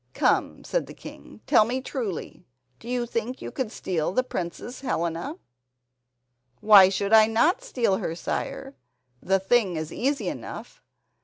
"Come," said the king, "tell me truly. Do you think you could steal the Princess Helena?" "Why should I not steal her, sire? The thing is easy enough.